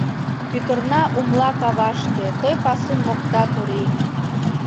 Пӱтырна умла кавашке, Той пасум мокта турий.